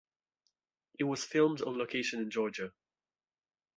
It was filmed on location in Georgia.